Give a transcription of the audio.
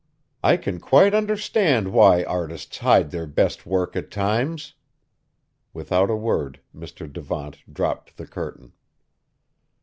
I can quite understand why artists hide their best work at times!" Without a word, Mr. Devant dropped the curtain.